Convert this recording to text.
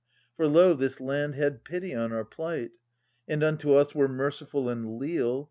For lo, this land had pity on our plight, And unto us were merciful and leal.